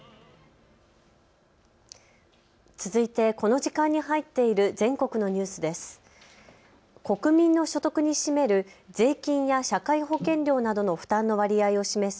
続いてこの時間に入っている全国のニュースです。